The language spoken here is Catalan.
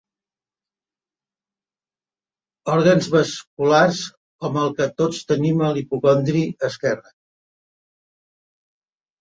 Òrgans vasculars com el que tots tenim a l'hipocondri esquerre.